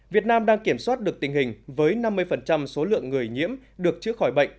việt nam đang kiểm soát được tình hình với năm mươi số lượng người nhiễm được chữa khỏi bệnh